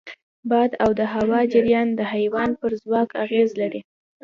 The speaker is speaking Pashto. باد او د هوا جریان د حیوان پر ځواک اغېز لري.